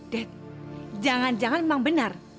dad jangan jangan emang benar